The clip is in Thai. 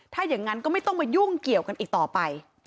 ถ้าอย่างนั้นก็ไม่ต้องมายุ่งเกี่ยวกันอีกต่อไป